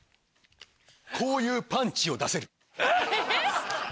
こういうパンチを出せる。